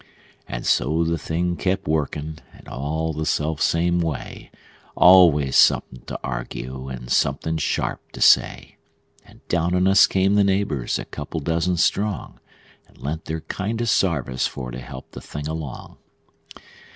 And so the thing kept workin', and all the self same way; Always somethin' to arg'e, and somethin' sharp to say; And down on us came the neighbors, a couple dozen strong, And lent their kindest sarvice for to help the thing along.